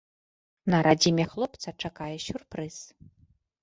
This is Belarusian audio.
На радзіме хлопца чакае сюрпрыз.